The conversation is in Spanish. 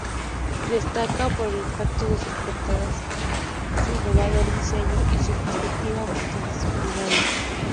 Destaca por el impacto de sus portadas, su innovador diseño y su perspectiva multidisciplinaria.